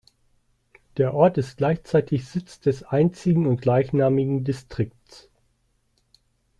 Der Ort ist gleichzeitig Sitz des einzigen und gleichnamigen Distrikts.